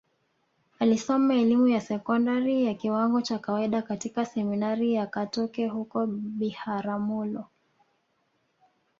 Alisoma elimu ya sekondari ya kiwango cha kawaida katika Seminari ya Katoke huko Biharamulo